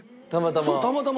たまたま？